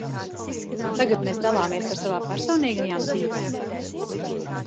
Tagad mēs dalāmies ar savām personīgajām dzīvēm?